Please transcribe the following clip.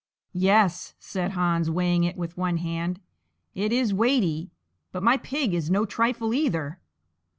"Yes," said Hans, weighing it with one hand, "it is weighty, but my pig is no trifle either."